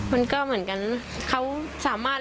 มันก็เหมือนกันเขาสามารถ